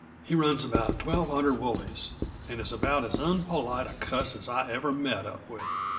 He runs about twelve hundred woollies, and is about as unpolite a cuss as I ever met up with.